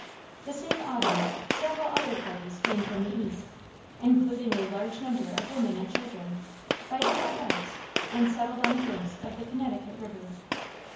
The same autumn several other parties came from the east including a large number of women and children by different routes, and settled on the banks of the Connecticut river.